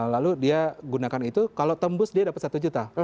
lalu dia gunakan itu kalau tembus dia dapat satu juta